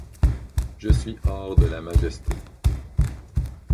Je suis hors de la majesté.